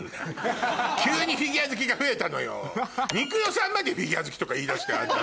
ニクヨさんまでフィギュア好きとか言い出してあんた